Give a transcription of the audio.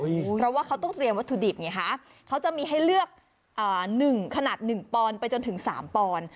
อุ้ยเพราะว่าเขาต้องเตรียมวัตถุดิบเนี้ยฮะเขาจะมีให้เลือกอ่าหนึ่งขนาดหนึ่งปอนไปจนถึงสามปอน